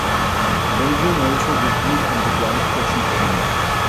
Belgium also withdrew from the qualification tournament.